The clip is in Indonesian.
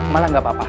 malah nggak apa apa